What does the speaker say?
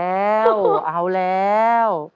เอาแล้ว